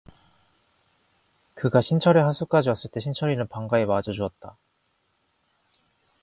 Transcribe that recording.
그가 신철의 하숙까지 왔을 때 신철이는 반가이 맞아 주었다.